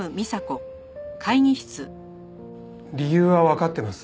理由はわかってます。